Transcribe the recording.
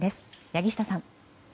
柳下さん。